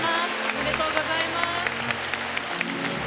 おめでとうございます。